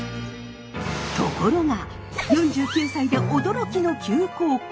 ところが４９歳で驚きの急降下。